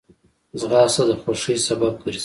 ځغاسته د خوښۍ سبب ګرځي